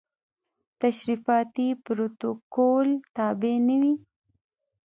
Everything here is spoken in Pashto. د تشریفاتي پروتوکول تابع نه وي.